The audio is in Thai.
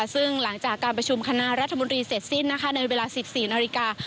ซึ่งหลังจากการประชุมคณะรัฐมนตรีเสร็จสิ้นในเวลา๑๔นาฬิกา